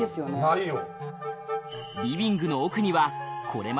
ないよ。